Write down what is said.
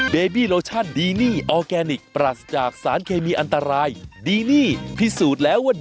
เบบี้โลชั่นดีนี่ออร์แกนิคปรัสจากสารเคมีอันตรายดีนี่พิสูจน์แล้วว่า